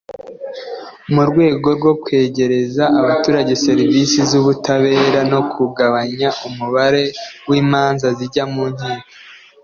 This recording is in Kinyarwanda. mu rwego rwo kwegereza abaturage serivisi z ubutabera no kugabanya umubare w imanza zijya mu nkiko